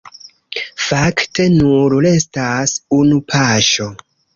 Fakte, nur restas unu paŝo.